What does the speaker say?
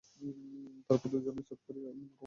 তাহার পর দুজনেই চুপ করিয়া ঘুমাইবার জোগাড় করিল।